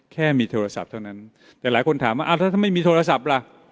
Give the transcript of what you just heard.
แค่มีโทรศัพท์เท่านั้นแต่หลายคนถามว่าอ้าวถ้าไม่มีโทรศัพท์ล่ะ